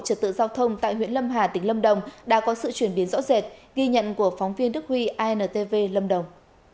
trật tự giao thông tại huyện lâm hà tỉnh lâm đồng đã có sự chuyển biến rõ rệt ghi nhận của phóng viên đức huy antv lâm đồng